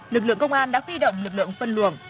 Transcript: lực lượng công an đã huy động lực lượng phân luồng